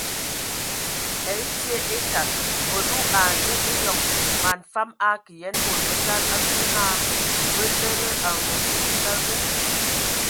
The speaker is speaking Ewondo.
Ɛtie ekag məlu eine eyɔŋ man fam akə yen bod bə ngal asu na bə lede amos nsili alug.